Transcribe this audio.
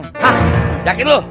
hah dakin lu